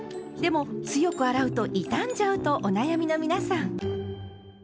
でも強く洗うと傷んじゃうとお悩みの皆さん。